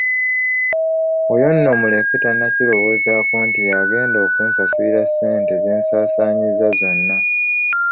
Oyo nno muleke tannakirowoozaako nti yagenda okunsasulira ssente zensaasaanyizza zonna.